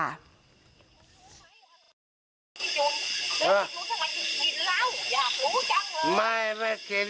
โอเหอะมันไม่เกลี่ยว